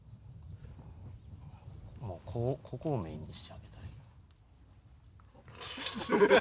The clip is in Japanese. もうここをメインにしてあげたいんよ。